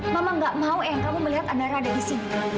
mama gak mau eh kamu melihat andara ada di sini